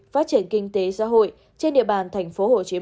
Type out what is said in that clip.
phát triển kinh tế xã hội trên địa bàn tp hcm